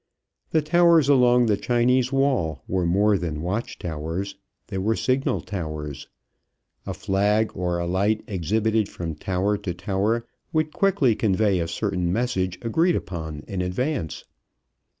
The towers along the Chinese Wall were more than watch towers; they were signal towers. A flag or a light exhibited from tower to tower would quickly convey a certain message agreed upon in advance.